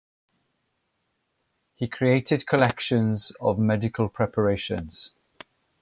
He created collections of medical preparations.